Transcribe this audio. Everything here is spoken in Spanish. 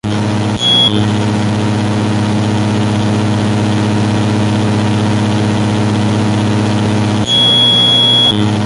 Estos distritos están mandados por un concejal responsable, popularmente conocido como "alcalde de barrio".